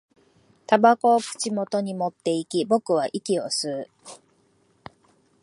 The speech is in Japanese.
煙草を口元に持っていき、僕は息を吸う